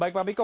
baik pak biko